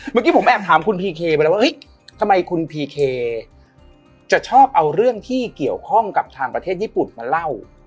เมื่อกี้ผมแอบถามคุณพีเคไปแล้วว่าเฮ้ยทำไมคุณพีเคจะชอบเอาเรื่องที่เกี่ยวข้องกับทางประเทศญี่ปุ่นมาเล่า